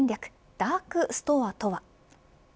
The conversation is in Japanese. ダークストアとは。